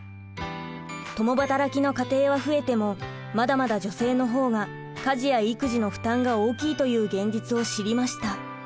共働きの家庭は増えてもまだまだ女性の方が家事や育児の負担が大きいという現実を知りました。